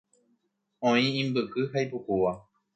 Oĩ imbyky ha ipukúva.